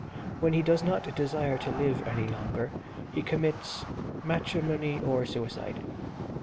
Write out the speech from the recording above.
When he does not desire to live any longer he commits matrimony or suicide.